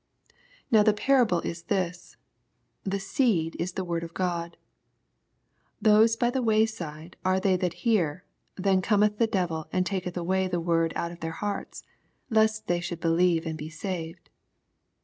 11 Now the parable is this : The seed is the word of God. 12 Those by the way side are they that hear ; then oometh the devil, and taketh away the word out of their hearts, lest they should believe and be saved.